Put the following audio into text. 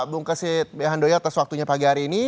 bung kesit behandoya atas waktunya pagi hari ini